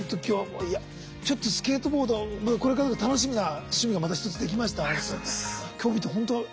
今日いやちょっとスケートボードまたこれからが楽しみな趣味がまた一つできました。